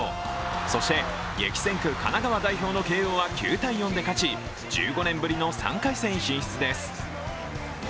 そして、激戦区・神奈川代表の慶應は９−４で勝ち１５年ぶりの３回戦進出です。